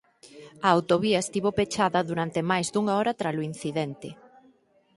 A autovía estivo pechada durante máis dunha hora tralo incidente.